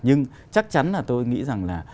nhưng chắc chắn là tôi nghĩ rằng là